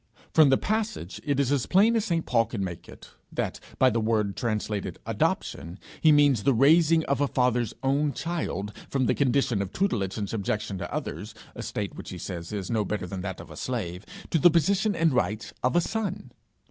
From the passage it is as plain as St. Paul could make it, that, by the word translated adoption, he means the raising of a father's own child from the condition of tutelage and subjection to others, a state which, he says, is no better than that of a slave, to the position and rights of a son.